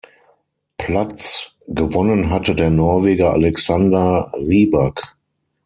Platz; gewonnen hatte der Norweger Alexander Rybak.